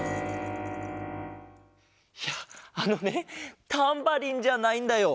いやあのねタンバリンじゃないんだよ。